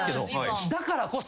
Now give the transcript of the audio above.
だからこそ。